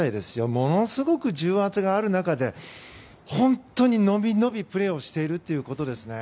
ものすごく重圧がある中で本当にのびのびプレーをしているということですね。